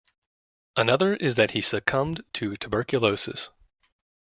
Another is that he succumbed to tuberculosis.